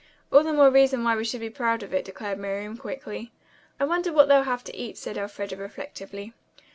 "All the more reason why we should be proud of it," declared Miriam quickly. "I wonder what they'll have to eat," said Elfreda reflectively.